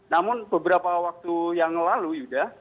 namun beberapa waktu yang lalu yuda